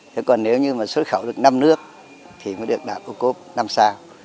thế còn nếu như mà xuất khẩu được năm nước thì mới được đạt ô cốp năm sao